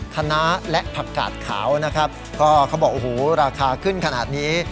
คณะและผักกาดขาวนะครับก็เขาบอกโอ้โหราคาขึ้นขนาดนี้